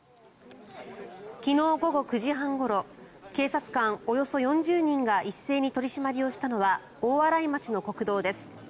昨日午後９時半ごろ警察官およそ４０人が一斉に取り締まりをしたのは大洗町の国道です。